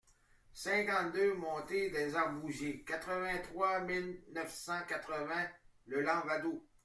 cinquante-deux montée des Arbousiers, quatre-vingt-trois mille neuf cent quatre-vingts Le Lavandou